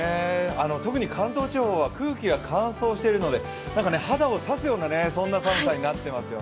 特に関東地方は空気が乾燥しているので肌を刺すような、そんな寒さになってます。